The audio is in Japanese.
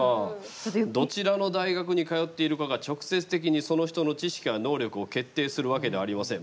「どちらの大学に通っているかが直接的にその人の知識や能力を決定するわけではありません」。